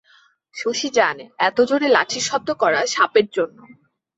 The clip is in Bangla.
শশী জানে এত জোরে লাঠির শব্দ করা সাপের জন্য!